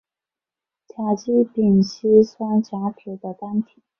甲基丙烯酸甲酯的单体。